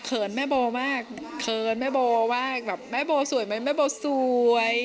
เขินแม่โบมากแม่โบสวยไหมแม่โบสวย